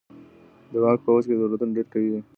د واک په اوج کي دولتونه ډیر قوي وي.